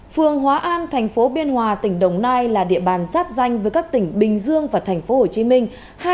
phường hóa an thành phố biên hòa tỉnh đồng nai là địa bàn giáp danh với các tỉnh bình dương và thành phố hồ chí minh